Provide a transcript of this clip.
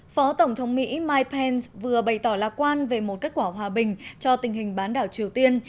phó tổng thống mỹ mike pence vừa bày tỏ lạc quan về một kết quả hòa bình cho tình hình bán đảo triều tiên